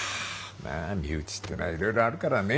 まあ身内ってのはいろいろあるからね。